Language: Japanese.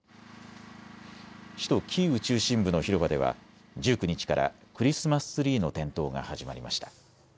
首都キーウ中心部の広場では１９日からクリスマスツリーの点灯が始まりました。